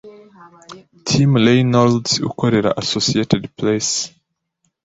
Tim Reynolds ukorera Associated Press